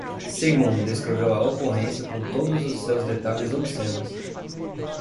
Sigmund descreveu a ocorrência com todos os seus detalhes obscenos.